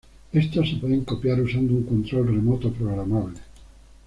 Estos se pueden copiar usando un control remoto programable.